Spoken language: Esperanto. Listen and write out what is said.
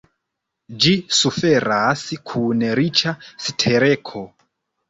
Ĝi suferas kun riĉa sterko.